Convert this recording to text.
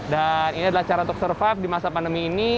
dan ini adalah cara untuk survive di masa pandemi ini